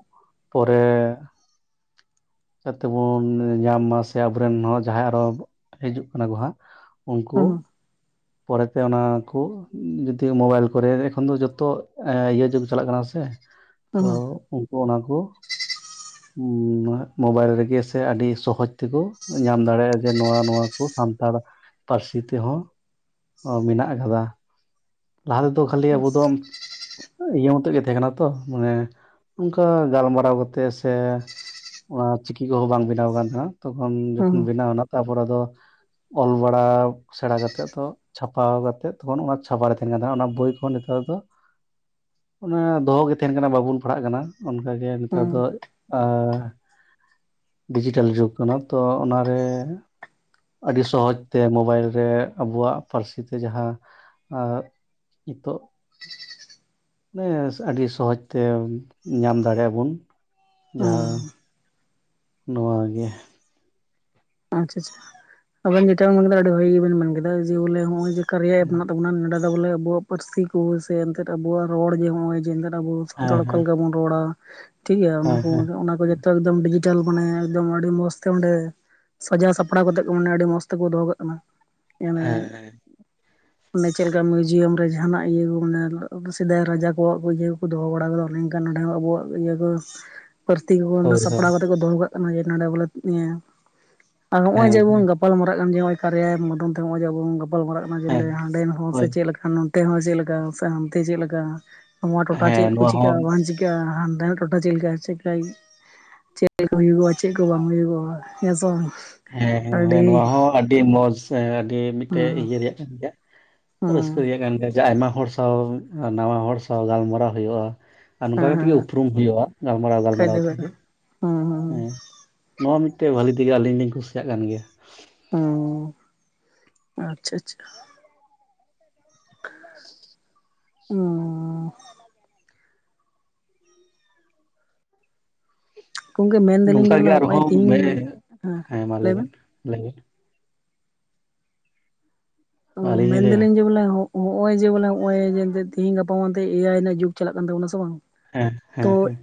B: ᱯᱚᱨᱮ ᱥᱟᱹᱛ ᱛᱮᱵᱚᱱ ᱧᱟᱢ ᱢᱟ ᱥᱮ ᱟᱵᱚᱨᱮᱱ ᱦᱚᱸ ᱡᱟᱦᱟᱸᱭ ᱟᱨᱚ ᱦᱤᱡᱩᱜ ᱠᱟᱱᱟ ᱦᱟᱸᱜ
A: ᱦᱩᱸ
B: ᱩᱱᱠᱩ ᱯᱚᱨᱮᱛᱮ ᱚᱱᱟ ᱠᱩ ᱡᱩᱫᱤ ᱢᱳᱵᱟᱭᱤᱞ ᱠᱚᱨᱮ ᱮᱠᱷᱚᱱ ᱫᱚ ᱡᱚᱛᱚ ᱤᱭᱟᱹ ᱡᱩᱜᱽ ᱪᱟᱞᱟᱜ ᱠᱟᱱᱟ ᱥᱮ
A: [UNINTELLIGIBLE]
B: ᱛᱚ ᱩᱱᱠᱩ ᱚᱱᱟ ᱠᱩ
A: [UNINTELLIGIBLE]
B: ᱢᱳᱵᱟᱭᱤᱞ ᱨᱮᱜᱮ ᱥᱮ ᱟᱹᱰᱤ ᱥᱚᱦᱚᱚᱡ ᱛᱮᱠᱚ ᱧᱟᱢ ᱫᱟᱲᱮᱭᱟᱜ-ᱟ ᱡᱮ ᱱᱚᱣᱟ ᱱᱚᱣᱟ ᱠᱚ ᱥᱟᱱᱛᱟᱲ ᱯᱟᱹᱨᱥᱤ ᱛᱮᱦᱚᱸ ᱢᱮᱱᱟᱜ ᱠᱟᱫᱟ ᱞᱟᱦᱟ ᱛᱮᱫᱚ ᱠᱷᱟᱹᱞᱤ ᱟᱵᱚ ᱫᱚ ᱤᱭᱟᱹ ᱢᱚᱛᱚᱡ ᱜᱮ ᱛᱟᱦᱮᱸ ᱠᱟᱱᱟ ᱛᱚ ᱢᱟᱱᱮ ᱚᱱᱠᱟ ᱜᱟᱞᱢᱟᱨᱟᱣ ᱠᱟᱛᱮᱫ ᱥᱮ ᱚᱟ ᱪᱤᱠᱤ ᱠᱚᱦᱚᱸ ᱵᱟᱝ ᱵᱮᱱᱟᱣ ᱠᱟᱱ ᱛᱟᱦᱮᱸᱱᱟ ᱛᱚᱠᱷᱚᱱ
A: ᱦᱩᱸ
B: ᱡᱚᱠᱷᱚᱱ
A: ᱦᱩᱸ
B: ᱵᱮᱱᱟᱣ ᱮᱱᱟ ᱛᱟᱯᱚᱨᱮ ᱟᱫᱚ ᱚᱞ ᱵᱟᱲᱟ ᱥᱮᱲᱟ ᱠᱟᱛᱮᱜ ᱛᱚ ᱪᱷᱟᱯᱟ ᱠᱟᱛᱮᱜ ᱛᱚᱠᱷᱚᱱ ᱚᱱ ᱪᱷᱟᱯᱟᱨᱮ ᱛᱟᱦᱮᱸᱱ ᱠᱟᱱᱟ ᱚᱱᱟ ᱵᱳᱭ ᱠᱚ ᱱᱮᱛᱟᱨ ᱫᱚ ᱚᱱᱮ ᱫᱚᱦᱚ ᱜᱮ ᱛᱟᱦᱮᱱ ᱠᱟᱱᱟ ᱵᱟᱵᱚᱱ ᱯᱟᱲᱦᱟᱜ ᱠᱟᱱᱟ ᱚᱱᱠᱟᱜᱮ
A: ᱦᱩᱸ
B: ᱱᱮᱛᱟᱨ ᱫᱚ ᱮ ᱰᱤᱡᱤᱴᱮᱞ ᱡᱩᱜᱽ ᱠᱟᱱᱟ ᱛᱚ ᱚᱱᱟᱨᱮ ᱟᱹᱰᱤ ᱥᱚᱦᱚᱚᱡ ᱛᱮ ᱢᱳᱵᱟᱭᱤᱞ ᱨᱮ ᱟᱵᱚᱣᱟᱜ ᱯᱟᱹᱨᱥᱤ ᱛᱮ ᱡᱟᱦᱟᱸ ᱟ ᱤᱛᱚᱜ ᱱᱮ ᱟᱹᱰᱤ ᱥᱚᱦᱚᱡᱽ ᱛᱮ ᱧᱟᱢ ᱫᱟᱲᱮᱭᱟᱜ-ᱟ ᱵᱚᱱ ᱡᱟᱦᱟᱸ
A: ᱚᱸ
B: ᱱᱚᱣᱟ ᱜᱮ
A: ᱟᱪᱪᱷᱟ ᱪᱷᱟ ᱟᱵᱮᱱ ᱡᱮᱴᱟ ᱵᱮᱱ ᱢᱮᱱ ᱠᱮᱫᱟ ᱟᱹᱰᱤ ᱵᱷᱟᱜᱤ ᱜᱮᱵᱮᱱ ᱢᱮᱱ ᱠᱮᱫᱟ ᱡᱮ ᱵᱚᱞᱮ ᱱᱚᱜᱚᱭ ᱡᱮ ᱠᱟᱨᱮᱭᱟ ᱮᱯ ᱢᱮᱱᱟᱜ ᱛᱟᱵᱚᱱᱟ ᱱᱚᱸᱰᱮ ᱫᱚ ᱵᱚᱞᱮ ᱟᱵᱚᱣᱟᱜ ᱯᱟᱹᱨᱥᱤ ᱠᱚ ᱥᱮ ᱮᱱᱛᱮᱫ ᱟᱵᱚᱣᱟᱜ ᱨᱚᱲ ᱡᱮ ᱱᱚᱜ-ᱚᱭ ᱡᱮ ᱮᱱᱜᱮᱫ ᱟᱵᱚ ᱥᱟᱱᱛᱟᱲ
B: ᱦᱮᱸ
A: ᱚᱠᱟ
B: ᱦᱮᱸ
A: ᱞᱮᱠᱟ ᱵᱚᱱ ᱨᱚᱲᱟ ᱴᱷᱤᱠ ᱜᱮᱭᱟ ᱚᱱᱟ
B: ᱦᱮᱸ
A: ᱠᱚ
B: ᱦᱮᱸ
A: ᱚᱱᱟ ᱠᱚ ᱡᱟ ᱱᱮᱛᱟᱨ ᱫᱚᱢ ᱰᱤᱡᱤᱴᱟᱞ ᱢᱟᱱᱮ ᱮᱠᱫᱚᱢ ᱟᱹᱰᱤ ᱢᱚᱸᱡᱽ ᱛᱮ ᱚᱰᱮᱸ ᱥᱟᱡᱟᱣ ᱥᱟᱯᱲᱟᱣ ᱠᱟᱛᱮᱜ ᱠᱚ ᱢᱟᱱᱮ ᱟᱹᱰᱤ ᱢᱚᱸᱡᱽ ᱛᱮᱠᱚ ᱫᱚᱦᱚ ᱠᱟᱜ ᱠᱟᱱᱟ ᱢᱟᱱᱮ
B: ᱦᱮᱸ ᱦᱮᱸ
A: ᱚᱱᱮ ᱪᱮᱫ ᱞᱮᱠᱟ ᱢᱤᱭᱩᱡᱤᱭᱟᱢ ᱨᱮ ᱡᱟᱦᱟᱱᱟᱜ ᱤᱭᱟᱹ ᱠᱚ ᱢᱟᱱᱮ ᱥᱮᱫᱟᱭ ᱨᱟᱡᱟ ᱠᱚᱣᱟᱜ ᱠᱚ ᱤᱭᱟᱹ ᱫᱚᱦᱚ ᱵᱟᱲᱟ ᱠᱟᱫᱟ ᱚᱱᱮ ᱚᱝᱠᱟ ᱱᱚᱸᱰᱮ ᱟᱵᱚᱣᱟᱜ ᱤᱭᱟᱹ ᱠᱚ ᱯᱟᱹᱨᱛᱤ ᱠᱚ
B: ᱦᱳᱭ ᱦᱳᱭ
A: ᱥᱟᱯᱲᱟᱣ ᱠᱟᱛᱮ ᱠᱚ ᱫᱚᱦᱚ ᱠᱟᱜ ᱠᱟᱱᱟ ᱡᱮ ᱱᱚᱰᱮ ᱵᱚᱞᱮ ᱱᱤᱭᱟᱹ ᱟᱨ ᱱᱚᱜ-ᱚᱭ
B: ᱦᱮᱸ ᱦᱮᱸ
A: ᱡᱮᱵᱚᱱ ᱜᱟᱯᱟᱞᱢᱟᱨᱟᱜ ᱠᱟᱱ ᱡᱮ ᱠᱟᱨᱮᱭᱟ ᱮᱯ ᱢᱟᱫᱷᱚᱢ ᱛᱮ ᱱᱚᱜ-ᱚᱭ ᱟᱵᱚᱱ ᱜᱟᱯᱟᱞ ᱢᱟᱨᱟᱜ ᱱᱟᱡᱽᱞᱮ
B: ᱦᱮᱸ
A: ᱦᱟᱸᱰᱮᱱ ᱦᱚᱲ ᱥᱮ
B: ᱦᱳᱭ
A: ᱪᱮᱫ ᱞᱮᱠᱟ ᱱᱚᱱᱛᱮ ᱦᱚᱸ ᱪᱮᱫ ᱞᱮᱠᱟ ᱥᱮ ᱦᱟᱱᱛᱮ ᱪᱮᱫ ᱞᱮᱠᱟ ᱱᱚᱣᱟ ᱴᱚᱴᱷᱟ ᱪᱮᱫ
B: ᱦᱮᱸ
A: ᱠᱚ
B: ᱱᱚᱣᱟ ᱦᱚᱸ
A: ᱪᱤᱠᱟᱹᱜ-ᱟ ᱵᱟᱝ ᱪᱤ ᱠᱟᱜ-ᱟ ᱦᱟᱱᱛᱮᱱᱟᱜ ᱴᱚᱴᱷᱟ ᱪᱮᱫ ᱞᱮᱠᱟ ᱪᱤᱠᱟᱹ ᱪᱮᱫ ᱦᱩᱭᱩᱜ-ᱟ ᱪᱮᱫ ᱠᱚ ᱵᱟᱝ ᱦᱩᱭᱩᱜ-ᱟ ᱦᱮᱸ ᱥᱮ ᱵᱟᱝ?
B: ᱦᱮᱸ ᱦᱮᱸ ᱦᱮᱸ ᱱᱚᱣᱟ
A: ᱟᱹᱰᱤ
B: ᱦᱚᱸ ᱟᱹᱰᱤ ᱢᱚᱸᱡᱽ ᱟᱹᱰᱤ ᱢᱤᱫᱴᱮᱡ
A: ᱦᱩᱸ
B: ᱤᱭᱟᱹ ᱨᱮᱭᱟᱜ ᱠᱟᱱ ᱜᱮᱭᱟ᱾
A: ᱦᱩᱸ
B: ᱨᱟᱹᱥᱠᱟᱹ ᱨᱮᱭᱟᱜ ᱠᱟᱱ ᱜᱮᱭᱟ ᱟᱭᱢᱟ ᱦᱚᱲ ᱥᱟᱶ ᱱᱟᱣᱟ ᱦᱚᱲ ᱥᱟᱶ ᱜᱟᱞᱢᱟᱨᱟᱣ ᱦᱩᱭᱩᱜ-ᱟ, ᱟᱨ ᱱᱚᱝᱠᱟ
A: ᱦᱮᱸ
B: ᱠᱟᱛᱮᱜ
A: ᱦᱮᱸ
B: ᱜᱮ ᱩᱯᱨᱩᱢ ᱦᱩᱭᱩᱜ-ᱟ ᱜᱟᱞᱢᱟᱨᱟᱣ
A: ᱠᱷᱟᱡ
B: ᱜᱟᱞᱢᱟᱨᱟᱣ
A: ᱫᱚ ᱦᱩᱭᱱᱟ
B: ᱛᱮᱜᱮ᱾
A: ᱦᱩᱸ
B: ᱦᱮᱸ ᱱᱚᱣᱟ ᱢᱤᱫᱴᱮᱡ ᱵᱟᱹᱞᱤ ᱛᱮᱜᱮ ᱟᱹᱞᱤᱧ ᱞᱤᱧ ᱠᱩᱥᱤᱭᱟᱜ ᱠᱟᱱ ᱜᱮᱭᱟ᱾
A: ᱚ ᱟᱪᱪᱷᱟ ᱟᱪᱪᱷᱟ ᱚᱻ ᱜᱚᱝᱠᱮ ᱢᱮᱱᱫᱟᱞᱤᱧ
B: ᱱᱚᱝᱠᱟ
A: ᱡᱮ ᱵᱚᱞᱮ
B: ᱜᱮ
A: ᱱᱚᱜᱼᱚᱭ
B: ᱟᱨᱦᱚᱸ
A: ᱛᱤᱦᱤᱧ
B: ᱦᱮᱸ ᱢᱟ ᱞᱟᱹᱭ ᱵᱮᱱ ᱞᱟᱹᱭ ᱵᱮᱱ
A: ᱚ
B: ᱟᱹᱞᱤᱧ ᱞᱤᱧ ᱞᱟᱹᱭᱟ
A: ᱢᱮᱱᱫᱟᱞᱤᱧ ᱡᱮ ᱵᱚᱞᱮ ᱦᱚᱸᱜ ᱦᱚᱸᱜ-ᱚᱭ ᱡᱮ ᱵᱚᱞᱮ ᱱᱚᱜᱼᱚᱭ ᱛᱮᱦᱤᱧ ᱜᱟᱯᱟ ᱢᱮᱱᱛᱮ ᱮᱭᱟᱭ ᱨᱮᱱᱟᱜ ᱡᱩᱜᱽ ᱪᱟᱞᱟᱜ ᱠᱟᱱ ᱛᱟᱵᱚᱱᱟ ᱥᱮ ᱵᱟᱝ
B: ᱦᱮᱸ
A: ᱛᱚ
B: ᱦᱮᱸ ᱦᱮᱸ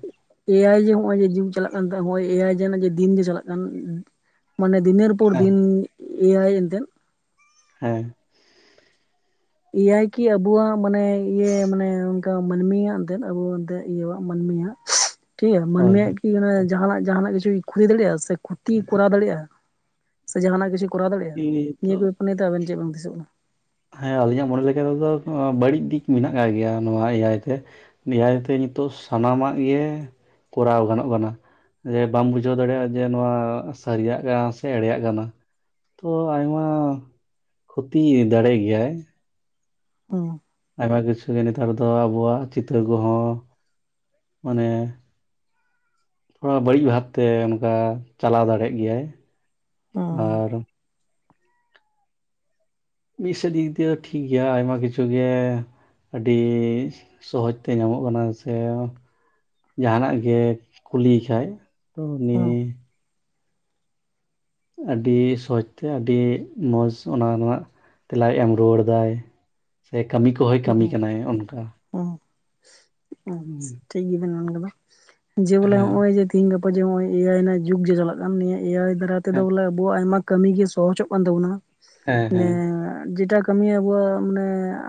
A: ᱮ ᱟᱭ ᱡᱮ ᱱᱚᱜ ᱚᱭ ᱡᱮ ᱡᱤᱢ ᱪᱟᱞᱟᱜ ᱠᱟᱱ ᱮ ᱟᱭ ᱡᱮ ᱫᱤᱱ ᱡᱮ ᱪᱟᱞᱟᱜ ᱠᱟᱱ ᱢᱟᱱᱮ ᱫᱤᱱᱮᱨ
B: ᱦᱮᱸ
A: ᱫᱤᱱ ᱮᱭᱟᱭ ᱮᱱᱛᱮᱫ
B: ᱦᱮᱸ
A: ᱮᱭᱟᱭ ᱠᱤ ᱟᱵᱚᱣᱟᱜ ᱢᱟᱱᱮ ᱤᱭᱟᱹ ᱢᱟᱱᱮ ᱚᱱᱠᱟ ᱢᱟᱹᱱᱢᱤᱭᱟᱜ ᱟᱵᱚ ᱮᱱᱛᱮᱫ ᱢᱟᱹᱱᱢᱤᱭᱟᱜ ᱴᱷᱤᱠ ᱜᱮᱭᱟ
B: ᱦᱳᱭ
A: ᱢᱟᱹᱱᱢᱟᱜ ᱠᱤ ᱚᱱᱟ ᱡᱟᱦᱱᱟᱜ ᱡᱟᱦᱟᱱᱟᱜ ᱠᱤᱪᱷᱩ ᱠᱷᱚᱛᱤ ᱫᱟᱲᱮᱭᱟᱜᱼᱟ ᱥᱮ ᱠᱷᱚᱛᱤᱭ ᱠᱚᱨᱟᱣ ᱫᱟᱲᱮᱭᱟᱜᱼᱟ ᱥᱮ ᱡᱟᱦᱟᱱᱟᱜ ᱠᱤᱪᱷᱩ ᱠᱚᱨᱟᱣ ᱫᱟᱲᱮᱭᱟᱜᱼᱟ ᱱᱤᱭᱟᱹ ᱠᱚ
B: ᱱᱤᱛᱚᱜ
A: ᱵᱯᱤᱱᱹᱛᱮ ᱟᱵᱮᱱ ᱪᱮᱫ ᱵᱟᱝ ᱦᱩᱫᱤᱥᱚᱜ ᱠᱟᱱᱟ?
B: ᱦᱮᱸ ᱟᱞᱤᱧᱟᱜ ᱢᱚᱱᱮ ᱞᱮᱠᱟ ᱛᱮᱫᱚ ᱵᱟᱹᱲᱤᱡ ᱫᱤᱠ ᱢᱮᱱᱟᱜ ᱟᱠᱟᱟᱜ ᱜᱮᱭᱟ ᱱᱚᱣᱟ ᱮᱭᱟᱭ ᱛᱮ ᱱᱮᱦᱟᱭᱛᱮ ᱱᱤᱛᱚᱜ ᱥᱟᱱᱟᱢᱟᱜ ᱜᱮ ᱠᱚᱨᱟᱣ ᱜᱟᱱᱚᱜ ᱠᱟᱱᱟ ᱾ ᱡᱮ ᱵᱟᱢ ᱵᱩᱡᱷᱟᱹᱣ ᱫᱟᱲᱮᱭᱟᱜᱼᱟ ᱡᱮ ᱱᱚᱣᱟ ᱥᱟᱹᱨᱤᱭᱟᱜ ᱠᱟᱱᱟ ᱥᱮ ᱮᱲᱮᱭᱟᱜ ᱠᱟᱱᱟ ᱾ ᱛᱚ ᱟᱭᱢᱟ ᱠᱷᱚᱛᱤ ᱫᱟᱲᱮᱜ ᱜᱮᱭᱟᱭ
A: ᱦᱩᱸ
B: ᱟᱭᱢᱟ ᱠᱤᱪᱷᱩ ᱜᱮ ᱱᱮᱛᱟᱨ ᱫᱚ ᱟᱵᱚᱣᱟᱜ ᱪᱤᱛᱟᱹᱨ ᱠᱚᱦᱚᱸ ᱢᱟᱱᱮ ᱛᱷᱚᱲᱟ ᱵᱟᱹᱲᱤᱡ ᱵᱷᱟᱵᱛᱮ ᱚᱱᱠᱟ ᱪᱟᱞᱟᱣ ᱫᱟᱲᱮᱭᱟᱜ ᱜᱮᱭᱟᱭ
A: ᱦᱩᱸ
B: ᱟᱨ ᱡᱤ ᱥᱮᱫ ᱫᱤᱠ ᱫᱤᱭᱮ ᱫᱚ ᱴᱷᱤᱠ ᱜᱮᱭᱟ ᱟᱭᱢᱟ ᱠᱤᱪᱷᱩ ᱜᱮ ᱟᱹᱰᱤ ᱥᱚᱦᱚᱡᱽ ᱛᱮ ᱧᱟᱢᱚᱜ ᱠᱟᱱᱟ ᱥᱮ ᱡᱟᱦᱟᱱᱟᱜ ᱜᱮ ᱠᱩᱞᱤᱭᱮ ᱠᱷᱟᱡ ᱛᱚ ᱩᱱᱤ
A: ᱦᱩᱸ
B: ᱟᱹᱰᱤ ᱥᱚᱦᱚᱡᱛᱮ ᱟᱹᱰᱤ ᱢᱚᱸᱡᱽ ᱚᱱᱟ ᱨᱮᱱᱟᱜ ᱛᱮᱞᱟᱭ ᱮᱢ ᱨᱩᱣᱟᱹᱲᱫᱟᱭ᱾ ᱥᱮ ᱠᱟᱹᱢᱤ ᱠᱚᱦᱚᱸᱭ
A: ᱦᱩᱸ
B: ᱠᱟᱹᱢᱤ
A: ᱦᱩᱸ
B: ᱠᱟᱱᱟᱭ ᱚᱱᱠᱟ᱾
A: ᱦᱩᱸ
B: ᱦᱩᱸ,
A: ᱴᱷᱤᱠ ᱜᱮᱵᱮᱱ ᱢᱮᱱᱠᱟᱫᱟ ᱡᱮ ᱵᱚᱞᱮ
B: ᱦᱮᱸ
A: ᱱᱚᱜ-ᱚᱭ ᱡᱮ ᱛᱤᱦᱤᱧ ᱜᱟᱯᱟ ᱡᱮ ᱱᱚᱜ ᱮᱭᱟᱭ ᱨᱮᱱᱟᱜ ᱡᱩᱜᱽ ᱡᱮ ᱪᱟᱞᱟᱜ ᱠᱟᱱ ᱱᱤᱭᱟᱹ ᱮᱭᱟᱭ ᱫᱟᱨᱟᱭ ᱛᱮᱫᱚ
B: ᱦᱮᱸ
A: ᱵᱚᱞᱮ ᱟᱵᱚᱣᱟᱜ ᱟᱭᱢᱟ ᱠᱟᱹᱢᱤᱜ ᱜᱮ ᱥᱚᱦᱚᱡᱚᱜ ᱠᱟᱱ ᱛᱟᱵᱚᱱᱟ
B: ᱦᱮᱸ ᱦᱮᱸ
A: ᱾ ᱡᱮᱴᱟ ᱠᱟᱹᱢᱤ ᱟᱵᱚᱣᱟᱜ ᱢᱟᱱᱮ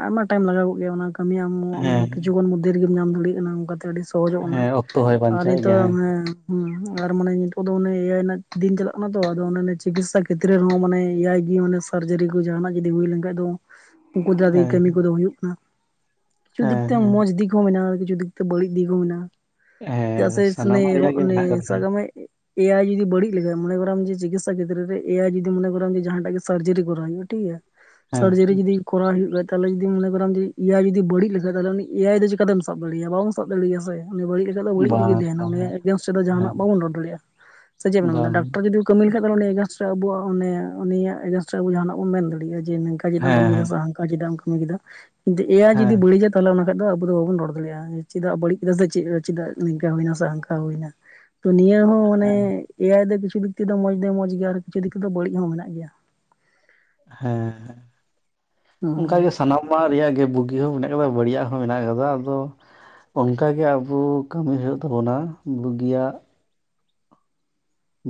A: ᱟᱭᱢᱟ ᱴᱟᱭᱤᱢ ᱞᱟᱜᱟᱣᱚᱜ ᱜᱮᱭᱟ ᱚᱱᱟ ᱠᱟᱹᱢᱤ ᱟᱢ ᱢᱮ
B: ᱦᱮᱸ
A: ᱠᱤᱪᱷᱩᱜ ᱜᱟᱱ ᱢᱚᱫᱽᱫᱷᱮ ᱨᱮᱜᱮᱢ ᱧᱟᱢ ᱫᱟᱲᱮᱭᱟᱜ ᱠᱟᱱᱟ ᱚᱱᱠᱟᱛᱮ ᱟᱹᱰᱤ ᱥᱚᱦᱚᱡᱚᱜ ᱠᱟᱱᱟ
B: ᱦᱮᱸ ᱚᱠᱛᱚ ᱦᱚᱭ
A: ᱟᱨ
B: ᱵᱟᱧᱪᱟᱣᱮᱫ
A: ᱱᱤᱛᱚᱜ
B: ᱜᱮᱭᱟ ᱦᱮᱸ
A: ᱚᱱᱮ ᱦᱮᱸ ᱟᱨ ᱢᱟᱱᱮ ᱱᱤᱛᱚᱜ ᱫᱚ ᱚᱱᱮ ᱮᱭᱟᱭ ᱨᱮᱱᱟᱜ ᱫᱤᱱ ᱪᱟᱞᱟᱜ ᱠᱟᱱᱟ ᱛᱚ ᱟᱫᱚ ᱚᱱ ᱪᱤᱠᱤᱥᱥᱟ ᱠᱷᱮᱛᱨᱮ ᱨᱮᱦᱚᱸ ᱢᱟᱱᱮ ᱮᱭᱟᱭ ᱜᱮ ᱥᱟᱨᱡᱟᱨᱤ ᱠᱚ ᱡᱟᱦᱟᱱᱟᱜ ᱡᱩᱫᱤ ᱦᱩᱭ ᱞᱮᱱ ᱠᱷᱟᱡ ᱫᱚ ᱩᱱᱠᱩ ᱫᱟᱨᱟᱭ
B: ᱦᱮᱸ
A: ᱠᱟᱹᱢᱤ ᱠᱚᱫᱚ ᱦᱩᱭᱩᱜ ᱠᱟᱱᱟ ᱠᱤᱪᱷᱩ
B: ᱦᱮᱸ
A: ᱫᱤᱠᱛᱮ
B: ᱦᱮᱸ
A: ᱢᱚᱸᱡᱽ ᱫᱤᱠᱽ ᱢᱮᱱᱟᱜᱼᱟ ᱠᱤᱪᱷᱩ ᱫᱤᱠ ᱛᱮ ᱵᱟᱹᱲᱤᱡ ᱫᱤᱠ ᱛᱮ ᱦᱚᱸ ᱢᱮᱱᱟᱜᱼᱟ ᱪᱮᱫᱟᱜ
B: ᱦᱮᱸ ᱥᱟᱱᱟᱢᱟᱜ
A: ᱥᱮ
B: ᱨᱮᱭᱟᱜ ᱜᱮ
A: ᱚᱱᱮ
B: ᱢᱮᱱᱟᱜ ᱠᱟᱫᱟ
A: ᱥᱟᱜ
B: ᱦᱮᱸ
A: ᱠᱟᱜ ᱢᱮ ᱮᱭᱟᱭ ᱡᱩᱫᱤ ᱵᱟᱹᱲᱤᱡ ᱞᱮᱠᱟ ᱢᱚᱱᱮ ᱠᱚᱨᱟᱣᱢ ᱡᱮ ᱪᱤᱠᱤᱥᱥᱟ ᱠᱷᱮᱛᱨᱮ ᱨᱮ ᱮᱟᱭᱟᱭ ᱡᱚᱫᱤ ᱢᱚᱱᱮ ᱠᱚᱨᱟᱢ ᱡᱟᱦᱟᱸᱴᱟᱜ ᱜᱮ ᱥᱟᱨᱡᱟᱨᱤ ᱠᱚᱨᱟᱣᱧ ᱢᱮ ᱴᱷᱤᱠ ᱜᱮᱭᱟ᱾
B: ᱦᱮᱸ
A: ᱥᱟᱨᱡᱟᱨᱤ ᱡᱩᱫᱤ ᱠᱚᱨᱟ ᱦᱩᱭᱩᱜ ᱠᱷᱟᱡ ᱛᱟᱦᱞᱮ ᱡᱩᱫᱤ ᱢᱚᱱᱮ ᱠᱚᱨᱟᱢ ᱡᱮ ᱡᱩᱫᱤ ᱮᱭᱟᱭ ᱡᱩᱫᱤ ᱵᱟᱹᱲᱤᱡ ᱞᱮᱠᱷᱟᱡ ᱛᱟᱦᱞᱮ ᱩᱱᱤ ᱮᱭᱟᱭ ᱫᱚ ᱪᱤᱠᱟ ᱚᱠᱟ ᱛᱮᱢ ᱥᱟᱵ ᱫᱟᱲᱮᱭᱟᱜ ᱵᱟᱵᱚᱱ ᱥᱟᱵ ᱫᱟᱰᱮᱭᱟ ᱦᱳᱭ ᱩᱱᱤ ᱵᱟᱹᱲᱤᱡ ᱞᱮᱱᱠᱷᱟᱱ ᱵᱟᱹᱲᱤᱡ ᱨᱮᱜᱮ
B: ᱵᱟᱝ
A: ᱛᱟᱦᱮᱱᱟ
B: ᱵᱟᱝ
A: ᱩᱱᱤᱭ
B: ᱦᱮᱸ
A: ᱮᱜᱽᱱᱮᱥᱴ ᱨᱮᱫᱚ ᱡᱟᱦᱟᱱᱟᱜ
B: ᱦᱮᱸ
A: ᱵᱟᱵᱚᱱ ᱨᱚᱲ ᱫᱟᱲᱮᱭᱟᱜ ᱥᱮ ᱪᱮᱫ ᱵᱚᱱ ᱢᱮᱱᱫᱟ
B: ᱵᱟᱝ
A: ᱰᱟᱠᱛᱚᱨ ᱡᱩᱫᱤ ᱠᱟᱹᱢᱤ ᱞᱮᱠᱷᱟᱱ ᱫᱚ ᱱᱚᱰᱮ ᱩᱱᱤ ᱮᱜᱮᱱᱥᱴ ᱨᱮ ᱟᱵᱚᱣᱟᱜ ᱩᱱᱤᱭᱟᱜ ᱮᱜᱽᱱᱮᱥᱴ ᱨᱮ ᱟᱵᱚ ᱡᱟᱦᱟᱱᱟᱜ ᱵᱚᱱ ᱢᱮᱱ ᱫᱟᱲᱮᱭᱟᱜᱼᱟ ᱡᱮ ᱱᱚᱝᱠᱟ ᱱᱝᱠᱟ ᱪᱟᱜ ᱮᱢ ᱠᱟᱹᱢᱤ ᱠᱮᱫᱟ
B: ᱦᱮᱸ
A: ᱥᱮ ᱦᱟᱱᱠᱟ ᱪᱮᱫᱟᱜ ᱮᱢ ᱠᱟᱹᱢᱤ ᱠᱮᱫᱟ ᱠᱤᱱᱛᱩ ᱮᱭᱟᱭ ᱡᱩᱫᱤ
B: ᱦᱮᱸ
A: ᱵᱟᱹᱲᱤᱡᱟ ᱚᱱᱟ ᱠᱷᱟᱱ ᱫᱚ ᱟᱵᱚ ᱫᱚ ᱵᱟᱵᱚᱱ ᱨᱚᱲ ᱫᱟᱲᱮᱭᱟᱜᱼᱟ ᱪᱮᱫᱟᱜ ᱵᱟᱹᱲᱤᱡ ᱱᱟ ᱥᱮ ᱪᱮ ᱪᱮᱫᱟᱜ ᱱᱤᱝᱠᱟ ᱦᱩᱭᱱᱟ ᱥᱮ ᱦᱟᱝᱠᱟ ᱦᱩᱭᱱᱟ ᱾ ᱛᱚ ᱱᱤᱭᱟᱹ ᱦᱚᱸ ᱢᱟᱱᱮ
B: ᱦᱮᱸ
A: ᱮᱭᱟᱭ ᱫᱚ ᱠᱤᱪᱷᱩ ᱫᱤᱠ ᱛᱮᱫᱚ ᱢᱚᱸᱡᱽ ᱫᱚ ᱢᱚᱸᱡᱽ ᱜᱮᱭᱟ ᱟᱨ ᱠᱤᱪᱷᱩ ᱫᱤᱠ ᱛᱮᱫᱚ ᱵᱟᱹᱲᱤᱡ ᱦᱚᱸ ᱢᱮᱱᱟᱜ ᱜᱮᱭᱟ ᱾
B: ᱦᱮᱸ ᱦᱮᱸ ᱚᱱᱠᱟ
A: ᱦᱩᱸ
B: ᱜᱮ ᱥᱟᱱᱟᱢᱟᱜ ᱨᱮᱭᱟᱜ ᱜᱮ ᱵᱩᱜᱤ ᱦᱚᱸ ᱢᱮᱱᱟᱜ ᱟᱠᱟᱫᱟ ᱵᱟᱲᱤᱡᱟᱜ ᱦᱚᱸ ᱢᱮᱱᱟᱜ ᱟᱠᱟᱫᱟ ᱟᱫᱚ ᱚᱝᱠᱟ ᱜᱮ ᱟᱵᱚ ᱠᱟᱹᱢᱤ ᱦᱩᱭᱩᱜ ᱛᱟᱵᱚᱱᱟ ᱵᱩᱜᱤᱭᱟᱜ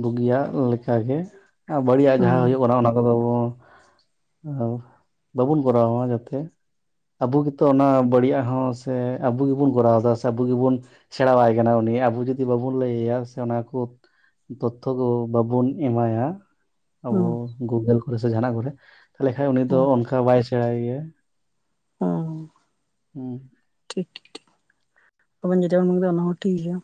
B: ᱵᱩᱜᱤᱭᱟᱜ ᱞᱮᱠᱟᱜᱮ ᱟᱨ ᱵᱟᱹᱲᱤᱡᱟᱜ ᱡᱟᱦᱟᱸ
A: ᱦᱩᱸ
B: ᱦᱩᱭᱩᱜ ᱟᱱᱟ ᱚᱱᱟ ᱠᱚᱫᱚ ᱵᱚ ᱟᱨ ᱵᱟᱵᱚᱱ ᱠᱚᱨᱟᱣᱟ ᱡᱟᱛᱮ ᱟᱵᱚ ᱜᱮᱛᱚ ᱚᱱᱟ ᱵᱟᱹᱲᱤᱡᱟᱜ ᱦᱚᱸ ᱥᱮ ᱟᱵᱚ ᱜᱮᱵᱚᱱ ᱠᱚᱨᱟᱣ ᱮᱫᱟ ᱥᱮ ᱟᱵᱚ ᱜᱮᱵᱚᱱ ᱥᱮᱬᱟᱣᱟᱭ ᱠᱟᱱᱟ ᱩᱱᱤ ᱟᱵᱚ ᱡᱩᱫᱤ ᱵᱟᱵᱚᱱ ᱞᱟᱹᱭ ᱟᱭᱟ ᱥᱮ ᱚᱱᱟ ᱠᱚ ᱛᱚᱛᱛᱷᱚ ᱠᱚ ᱵᱟᱵᱚᱱ ᱮᱢᱟᱭᱟ ᱟᱵᱚ
A: ᱦᱩᱸ
B: ᱜᱩᱜᱟᱹᱞ ᱠᱚᱨᱮ ᱥᱮ ᱡᱟᱦᱟᱸᱱᱟᱜ ᱠᱚᱨᱮ ᱛᱟᱦᱚᱞᱮ ᱠᱷᱟᱡᱽ ᱩᱱᱤ ᱫᱚ
A: ᱦᱩᱸ
B: ᱚᱱᱠᱟ ᱵᱟᱭ ᱥᱮᱬᱟᱭ ᱜᱮᱭᱟ
A: ᱦᱩᱸ
B: ᱾ᱦᱩᱸ
A: ᱴᱷᱤᱠ ᱴᱷᱤᱠ᱾ ᱴᱷᱤᱠ ᱟᱵᱮᱱ ᱡᱮᱴᱟ ᱵᱮᱱ ᱢᱮᱱ ᱠᱮᱫᱟ ᱚᱱᱟ ᱦᱚᱸ ᱴᱷᱤᱠ ᱜᱮᱭᱟ᱾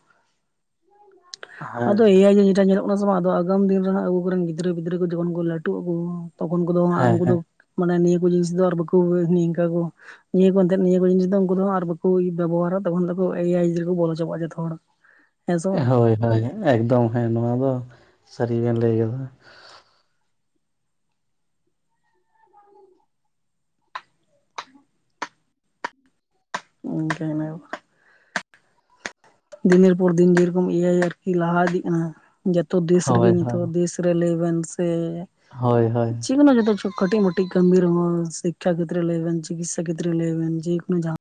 B: ᱦᱮᱸ
A: ᱟᱫᱚ ᱮ ᱟᱭ ᱜᱮ ᱡᱮᱴᱟ ᱧᱮᱞᱚᱜ ᱚᱱᱟ ᱥᱚᱢᱚᱭ ᱟᱫᱚ ᱟᱜᱟᱢ ᱫᱤᱱ ᱨᱮᱦᱚᱸ ᱟᱵᱚ ᱠᱚᱨᱮᱱ ᱜᱤᱫᱽᱨᱟᱹ ᱯᱤᱫᱽᱨᱟᱹ ᱠᱚ ᱡᱚᱠᱷᱚᱱ ᱠᱚ ᱞᱟᱹᱴᱩᱜ ᱟᱠᱚ ᱛᱚᱠᱷᱚᱱ ᱠᱚᱫᱚ ᱦᱟᱸᱜ
B: ᱦᱮᱸ
A: ᱩᱱᱠᱩ ᱫᱚ ᱢᱟᱱᱮ ᱱᱤᱭᱟᱹ ᱠᱚ ᱡᱤᱱᱤᱥ ᱫᱚ ᱟᱨ ᱵᱟᱠᱚ ᱱᱤᱝᱠᱟ ᱠᱚ ᱱᱤᱭᱟᱹ ᱠᱚ ᱟᱱᱛᱮᱫ ᱱᱤᱭᱟᱹ ᱠᱚ ᱡᱤᱱᱤᱥ ᱫᱚ ᱩᱱᱠᱩ ᱫᱚ ᱟᱨ ᱵᱟᱠᱚ ᱵᱮᱵᱚᱦᱟᱨᱟ ᱛᱚᱠᱷᱚᱱ ᱫᱚ ᱮᱟᱭ ᱡᱮ ᱨᱮᱠᱚ ᱵᱚᱞᱚ ᱪᱟᱵᱟᱜᱼᱟ ᱡᱷᱚᱛᱚ ᱦᱚᱲ᱾ [INAUDIBLE]
B: ᱦᱳᱭ ᱦᱳᱭ ᱮᱠᱫᱚᱢ ᱦᱮᱸ ᱱᱚᱣᱟ ᱫᱚ ᱥᱟᱹᱨᱤ ᱵᱮᱱ ᱠᱟᱫᱟ᱾
A: ᱚᱱᱠᱟᱭ ᱱᱟᱵᱚ᱾ ᱫᱤᱱᱮᱨ ᱯᱚᱨ ᱫᱤᱱ ᱡᱮᱨᱚᱠᱚᱢ ᱮᱭᱟᱭ ᱟᱨᱠᱤ ᱞᱟᱦᱟ ᱤᱫᱤᱜ ᱠᱟᱱᱟ ᱡᱚᱛᱚ ᱫᱮᱥ ᱨᱮᱜᱮ
B: ᱦᱳᱭ ᱦᱳᱭ
A: ᱱᱤᱛᱚᱜ ᱫᱮᱥ ᱟᱨᱮ ᱞᱟᱹᱭ ᱵᱮᱱ ᱥᱮ
B: ᱦᱳᱭ ᱦᱳᱭ
A: ᱡᱮ ᱠᱳᱱᱳ ᱡᱚᱛᱚ ᱠᱤᱪᱷᱩ ᱠᱟᱹᱴᱤᱡ ᱢᱟᱹᱴᱤᱡ ᱠᱟᱹᱢᱤ ᱨᱮᱦᱚᱸ ᱥᱤᱠᱠᱷᱟ ᱠᱮᱛᱨᱮ ᱞᱟᱹᱭ ᱵᱮᱱ ᱪᱤᱠᱤᱥᱥᱟ ᱠᱮᱛᱨᱮ ᱞᱟᱹᱭ ᱵᱮᱱ ᱡᱮ ᱠᱳᱱᱳ ᱡᱟ